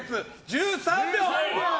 １３秒。